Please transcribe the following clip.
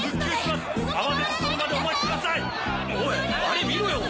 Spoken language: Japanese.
おいあれ見ろよ！